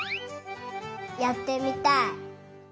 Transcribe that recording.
やってみたい。